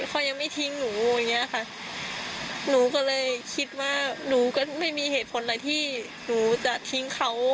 เขายังไม่ทิ้งหนูอย่างเงี้ยค่ะหนูก็เลยคิดว่าหนูก็ไม่มีเหตุผลอะไรที่หนูจะทิ้งเขา